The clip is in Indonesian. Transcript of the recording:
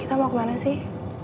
kita mau kemana sih